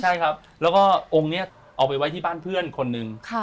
ใช่ครับแล้วก็องค์นี้เอาไปไว้ที่บ้านเพื่อนคนหนึ่ง